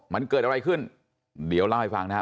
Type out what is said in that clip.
มันเกิดอะไรขึ้นเดี๋ยวเล่าให้ฟังนะครับ